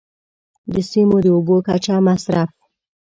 د سیمو د اوبو کچه، مصرف.